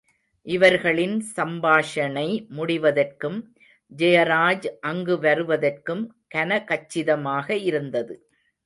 இவர்களின் சம்பாஷணை முடிவதற்கும் ஜெயராஜ் அங்கு வருவதற்கும் கனகச்சிதமாக இருந்தது.